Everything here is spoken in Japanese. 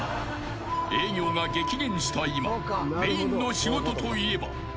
［営業が激減した今メインの仕事といえば］